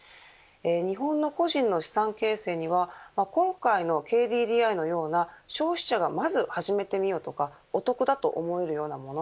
日本の個人の資産形成には今回のＫＤＤＩのような消費者がまず始めてみようとかお得だと思えるようなもの